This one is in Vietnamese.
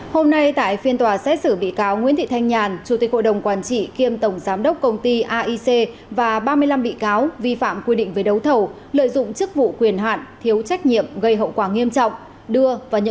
hôm nay tại phiên tòa xét xử bị cáo nguyễn thị thanh nhàn chủ tịch cộng đồng quản trị kiêm tổng giám đốc công ty aic và ba mươi năm bị cáo vi phạm quy định về đấu thầu lợi dụng chức vụ quyền hạn thiếu trách nhiệm gây hậu quả nghiêm trọng đưa và nhận hối lộ